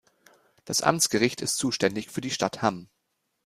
Das Amtsgericht ist zuständig für die Stadt Hamm.